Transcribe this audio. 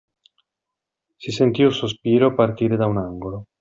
Si sentì un sospiro partire da un angolo.